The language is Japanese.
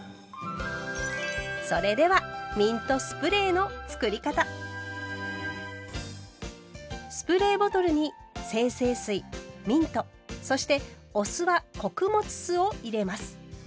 それではスプレーボトルに精製水ミントそしてお酢は穀物酢を入れます。